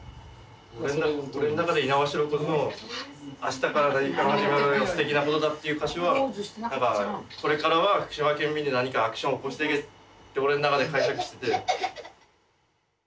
俺の中で猪苗代湖ズの「明日から何かがはじまるよステキな事だ」っていう歌詞はなんかこれからは福島県民で何かアクションを起こしていけって俺の中で解釈してて。